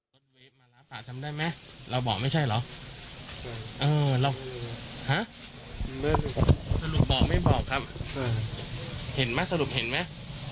แล้วเราเคยเห็นเมียเราไปหาตานุบ้างมั้ย